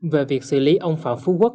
về việc xử lý ông phạm phú quốc